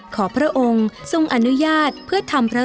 พระองค์ทรงอนุญาตเพื่อทำพระ